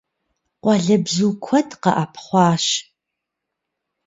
Къуалэбзу куэд къэӀэпхъуащ.